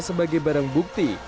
sebagai barang bukti